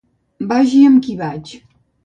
Vagi amb qui vaig.